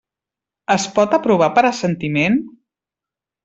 Es pot aprovar per assentiment?